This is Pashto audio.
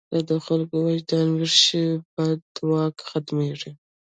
که د خلکو وجدان ویښ شي، بد واک ختمېږي.